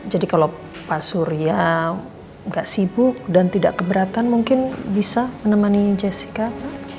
jadi kalo pak surya gak sibuk dan tidak keberatan mungkin bisa menemani jessica pak